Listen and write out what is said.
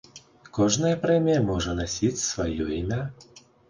Кожная прэмія можа насіць сваё імя.